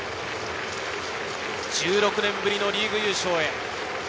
１６年ぶりのリーグ優勝へ。